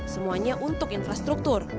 semuanya untuk infrastruktur